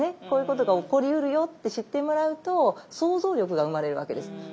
こういうことが起こりうるよって知ってもらうと想像力が生まれるわけです。